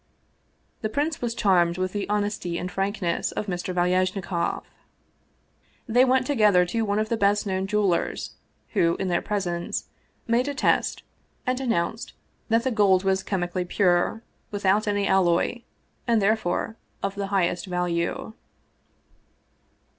The prince was charmed with the honesty and frankness of Mr. Valyajnikoff. They went together to one of the best known jewelers, rho, in their presence, made a test and announced that the gold was chemically pure, without any alloy, and there fore of the highest value.